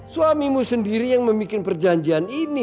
suamimu sendiri yang membuat perjanjian ini